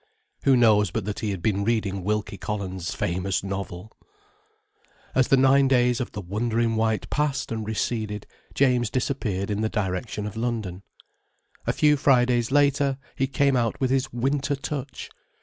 Who knows but that he had been reading Wilkie Collins' famous novel! As the nine days of the wonder in white passed and receded, James disappeared in the direction of London. A few Fridays later he came out with his Winter Touch.